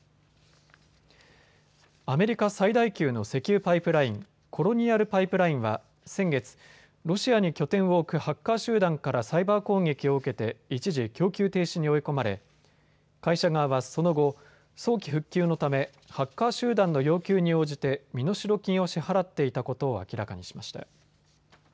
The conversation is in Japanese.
アメリカ最大級の石油パイプライン、コロニアル・パイプラインは先月、ロシアに拠点を置くハッカー集団からサイバー攻撃を受けて一時供給停止に追い込まれ会社側はその後、早期復旧のためハッカー集団の要求に応じて身代金を支払っていたことを明らかにしました。